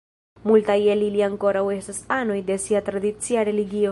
Multaj el ili ankoraŭ estas anoj de sia tradicia religio.